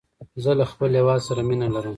زه له خپل هېواد سره مینه لرم.